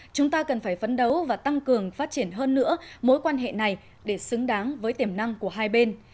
chúng ta cần phải phấn đấu và tăng cường phát triển hơn nữa mối quan hệ này để xứng đáng với tiềm năng của hai bên